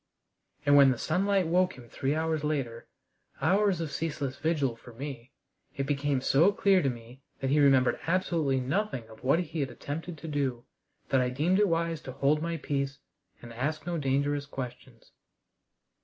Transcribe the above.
And when the sunlight woke him three hours later hours of ceaseless vigil for me it became so clear to me that he remembered absolutely nothing of what he had attempted to do, that I deemed it wise to hold my peace and ask no dangerous questions.